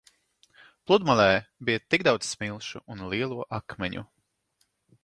Pludmalē bija tik daudz smilšu un lielo akmeņu.